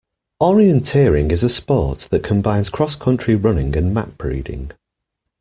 Orienteering is a sport that combines cross-country running and map reading